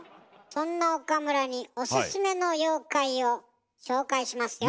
そんな岡村におすすめの妖怪を紹介しますよ。